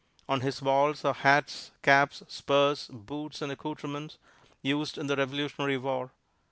On his walls are hats, caps, spurs, boots and accouterments used in the Revolutionary War.